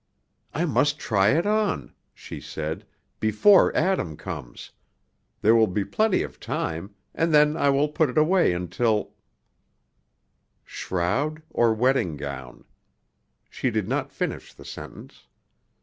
"I must try it on," she said, "before Adam comes; there will be plenty of time, and then I will put it away until " Shroud or wedding gown? She did not finish the sentence.